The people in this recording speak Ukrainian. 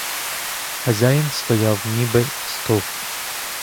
Хазяїн стояв, ніби стовп.